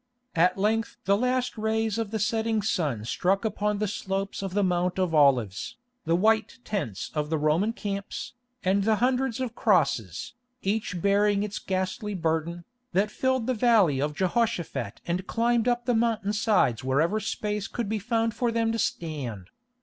At length the last rays of the setting sun struck upon the slopes of the Mount of Olives, the white tents of the Roman camps, and the hundreds of crosses, each bearing its ghastly burden, that filled the Valley of Jehoshaphat and climbed up the mountain sides wherever space could be found for them to stand.